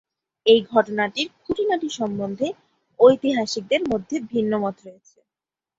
এই ঘটনাটির খুঁটিনাটি সম্বন্ধে ঐতিহাসিকদের মধ্যে ভিন্নমত রয়েছে।